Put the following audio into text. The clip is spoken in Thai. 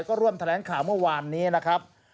ก็ร่วมแถลงข่าวเมื่อวานนี้นะครับ